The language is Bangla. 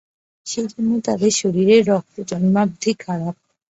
সেইজন্য তাদের শরীরের রক্ত জন্মাবধি খারাপ।